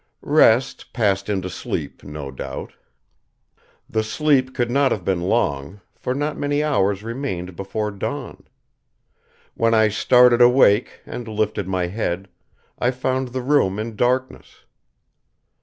Rest passed into sleep, no doubt. The sleep could not have been long, for not many hours remained before dawn. When I started awake and lifted my head, I found the room in darkness.